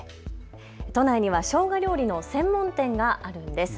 都内にはしょうが料理の専門店があるんです。